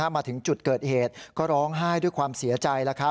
มาถึงจุดเกิดเหตุก็ร้องไห้ด้วยความเสียใจ